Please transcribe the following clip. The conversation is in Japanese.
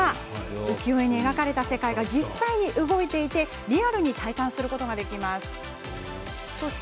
浮世絵に描かれた世界が実際に動きリアルに体感することができます。